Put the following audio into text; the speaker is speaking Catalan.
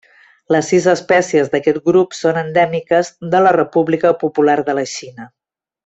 Les sis espècies d'aquest grup són endèmiques de la República Popular de la Xina.